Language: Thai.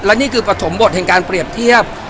และนี่คือปฐมบทแห่งการเปรียบเทียบ